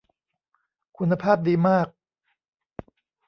คุณภาพดีมาก